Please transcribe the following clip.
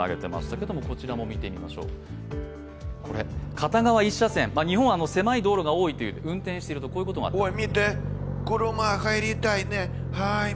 片側１車線、日本は狭い道路が多いということで運転していると、こういうことがありました。